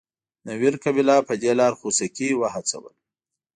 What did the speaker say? نوير قبیله په دې لار خوسکي وهڅول.